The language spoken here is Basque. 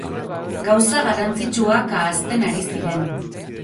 Gauza garrantzitsuak ahazten ari ziren.